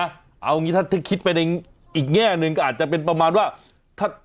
เอางี้ถ้าคิดไปในอีกแง่หนึ่งก็อาจจะเป็นประมาณว่า